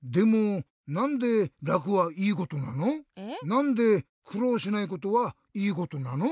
なんでくろうしないことはいいことなの？